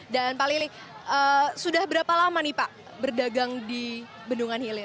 dan pali sudah berapa lama nih pak berdagang di bendungan hilir